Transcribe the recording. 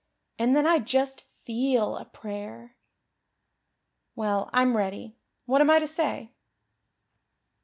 And then I'd just feel a prayer. Well, I'm ready. What am I to say?"